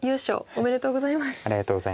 ありがとうございます。